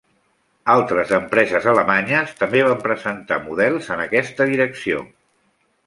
Altres empreses alemanyes, també van presentar models en aquesta direcció.